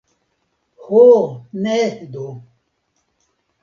Ho ne do!